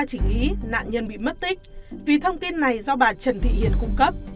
chỉ nghĩ nạn nhân bị mất tích vì thông tin này do bà trần thị hiền cung cấp